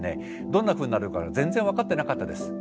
どんなふうになるか全然分かってなかったです。